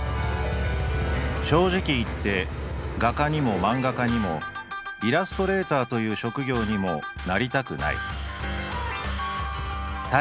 「正直言って画家にもマンガ家にもイラストレーターという職業にもなりたくない」。